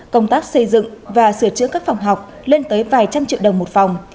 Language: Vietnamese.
công tác xây dựng và sửa chữa các phòng học lên tới vài trăm triệu đồng một phòng